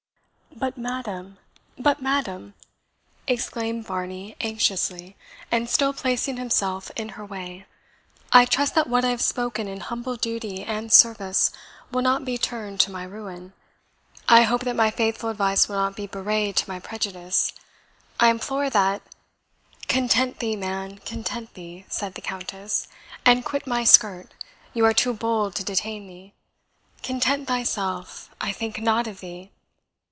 "But, madam! but, madam!" exclaimed Varney anxiously, and still placing himself in her way, "I trust that what I have spoken in humble duty and service will not be turned to my ruin? I hope that my faithful advice will not be bewrayed to my prejudice? I implore that " "Content thee, man content thee!" said the Countess, "and quit my skirt you are too bold to detain me. Content thyself, I think not of thee."